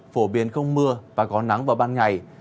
phổ biến không mưa và có nắng vào ban ngày